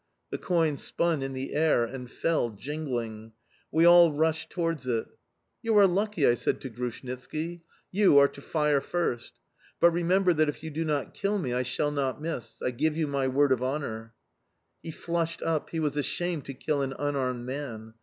The coin spun in the air and fell, jingling. We all rushed towards it. "You are lucky," I said to Grushnitski. "You are to fire first! But remember that if you do not kill me I shall not miss I give you my word of honour." He flushed up; he was ashamed to kill an unarmed man.